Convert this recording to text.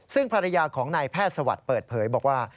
ซึ่งภรรยาของนายแพทย์สวัสดิ์เปิดเผยบอกว่า